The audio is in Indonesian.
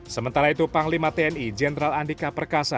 sementara itu panglima tni jenderal andika perkasa